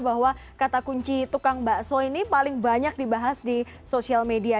bahwa kata kunci tukang bakso ini paling banyak dibahas di sosial media